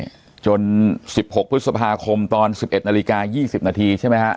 นี่จน๑๖พฤษภาคมตอน๑๑นาฬิกา๒๐นาทีใช่ไหมฮะ